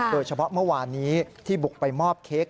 โดยเฉพาะเมื่อวานนี้ที่บุกไปมอบเค้ก